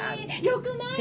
よくない？